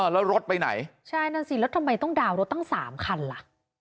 แล้วรถไปไหนใช่นั่นสิแล้วทำไมต้องดาวน์รถตั้ง๓คันล่ะ